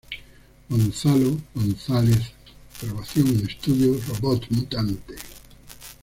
Gonzalo González: Grabación en Estudios Robot Mutante.